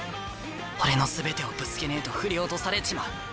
俺の全てをぶつけねえと振り落とされちまう。